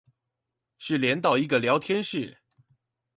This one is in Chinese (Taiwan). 是連到一個聊天室